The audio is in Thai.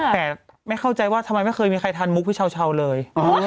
แต่ไม่เข้าใจว่าทำไมไม่เคยมีใครทานมุกพี่เช้าเลย